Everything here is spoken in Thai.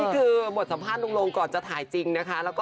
คือบทสัมภาษณ์ลุงลงก่อนจะถ่ายจริงนะคะ